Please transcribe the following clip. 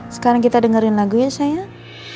sekarang kita dengerin lagu ya chef